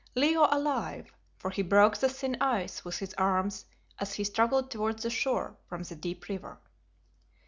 Leo alive, for he broke the thin ice with his arms as he struggled towards the shore from the deep river.